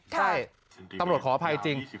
ใช่ตำรวจขออภัยจริง